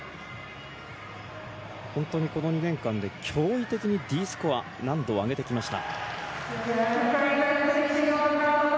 本当にこの２年間で驚異的にＤスコアの難度を上げてきました。